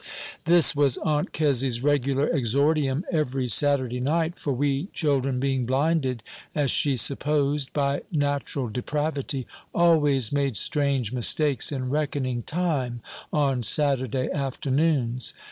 This was Aunt Kezzy's regular exordium every Saturday night; for we children, being blinded, as she supposed, by natural depravity, always made strange mistakes in reckoning time on Saturday afternoons.